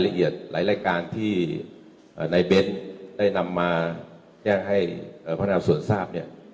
หลายละเอียดหลายรายการที่ในเบนท์ได้นำมาแก้งให้พนักศึกษาสตร์ทราบเนี่ย